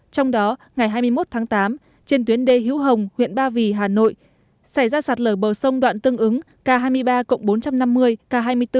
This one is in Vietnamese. trong đó ngày hai mươi một tháng tám trên tuyến đê hiếu hồng huyện ba vì hà nội xảy ra sạt lở bờ sông đoạn tương ứng k hai mươi ba bốn trăm năm mươi k hai mươi bốn